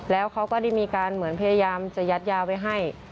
แล้วเขาก็ได้มีการเหมือนพยายามจะยัดยาไว้ให้